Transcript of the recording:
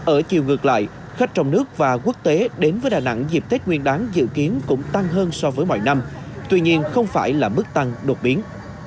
ở chiều ngược lại khách trong nước và quốc tế đến với đà nẵng dịp tết nguyên đáng dự kiến cũng tăng hơn so với mọi năm tuy nhiên không phải là mức tăng đột biến